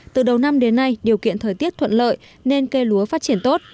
từ đầu năm đến nay điều kiện thời tiết thuận lợi nên cây lúa phát triển tốt